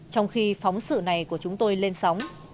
trong khi phóng sự này của chúng tôi lên sóng